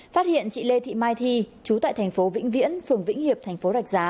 phát hiện chị lê thị mai thi chú tại thành phố vĩnh viễn phường vĩnh hiệp thành phố rạch giá